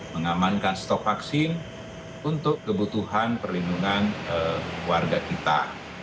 mengamankan stok vaksin untuk kebutuhan perlindungan warga kita